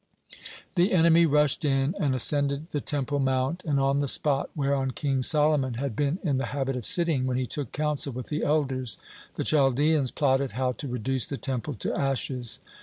The enemy rushed in and ascended the Temple mount, and on the spot whereon King Solomon had been in the habit of sitting when he took counsel with the elders, the Chaldeans plotted how to reduce the Temple to ashes.